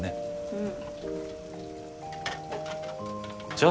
うん。